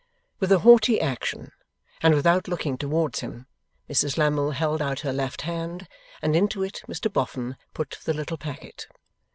With a haughty action, and without looking towards him, Mrs Lammle held out her left hand, and into it Mr Boffin put the little packet.